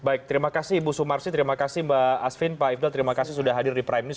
baik terima kasih ibu sumarsi terima kasih mbak asvin pak ifdal terima kasih sudah hadir di prime news